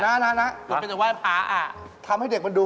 รับนะนะทำให้เด็กมันดู